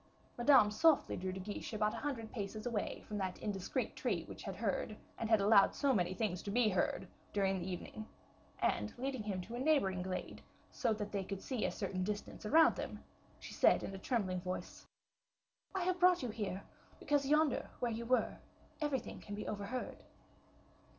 Madame softly drew De Guiche about a hundred paces away from that indiscreet tree which had heard, and had allowed so many things to be heard, during the evening, and, leading him to a neighboring glade, so that they could see a certain distance around them, she said in a trembling voice, "I have brought you here, because yonder where you were, everything can be overheard."